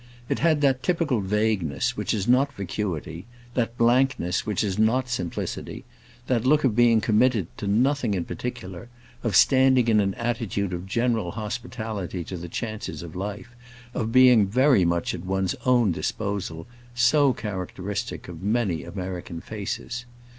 It had that typical vagueness which is not vacuity, that blankness which is not simplicity, that look of being committed to nothing in particular, of standing in an attitude of general hospitality to the chances of life, of being very much at one's own disposal so characteristic of many American faces.